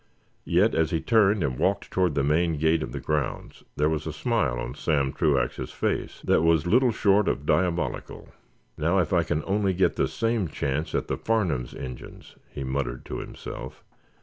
Yet, as he turned and walked toward the main gate of the grounds, there was a smile on Sam Truax's face that was little short of diabolical. "Now, if I can only get the same chance at the 'Farnum's' engines!" he muttered, to himself.